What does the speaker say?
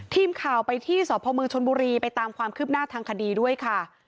ทีมข่าวไปที่สพมชนบุรีไปตามความคืบหน้าทางคดีด้วยค่ะ